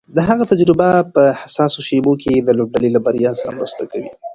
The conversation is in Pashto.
د هغه تجربه په حساسو شېبو کې د لوبډلې له بریا سره مرسته کوي.